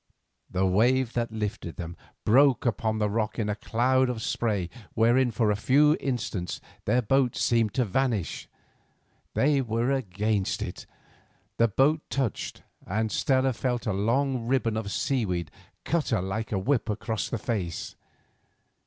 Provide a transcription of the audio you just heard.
The wave that lifted them broke upon the rock in a cloud of spray wherein for some few instants their boat seemed to vanish. They were against it; the boat touched, and Stella felt a long ribbon of seaweed cut her like a whip across the face.